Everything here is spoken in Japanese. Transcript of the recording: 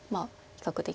比較的